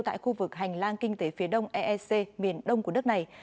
tại khu vực hành lang kinh tế phía đông eec miền đông của đất này